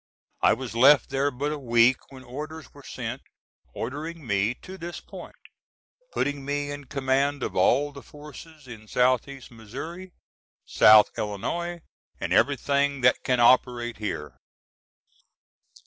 I was left there but a week when orders were sent ordering me to this point, putting me in command of all the forces in S.E. Missouri, South Illinois and everything that can operate here.